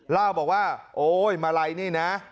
เล่าบอกว่าโอ๊ยมาลัยนี่นะ